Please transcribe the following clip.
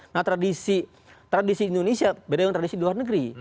nah tradisi indonesia beda dengan tradisi luar negeri